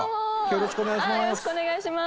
よろしくお願いします。